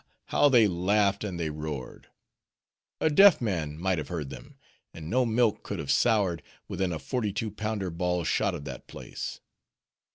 how they laughed, and they roared. A deaf man might have heard them; and no milk could have soured within a forty two pounder ball shot of that place.